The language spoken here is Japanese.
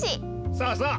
そうそう！